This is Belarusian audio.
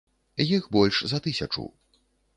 Іх больш за тысячу.